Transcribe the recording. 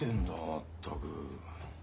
まったく。